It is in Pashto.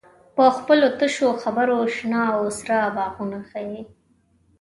په خپلو تشو خبرو شنه او سره باغونه ښیې.